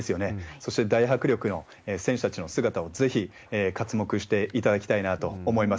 そして大迫力の選手たちの姿をぜひ刮目していただきたいなと思います。